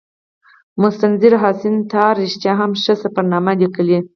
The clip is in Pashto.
مستنصر حسین تارړ رښتیا هم ښې سفرنامې لیکلي.